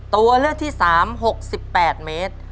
ตัวเลือกที่๓๖๘เมตร